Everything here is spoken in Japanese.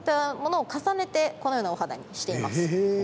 重ねてこのようなお肌にしています。